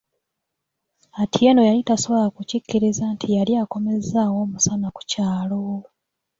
Atieno yali tasobola kukkikiriza nti yali akomezzawo omusana ku kyalo.